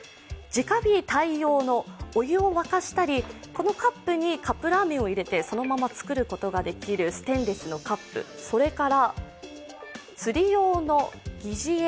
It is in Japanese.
このカップにカップラーメンを入れて、そのまま作ることができるステンレスのカップそれから釣り用の疑似餌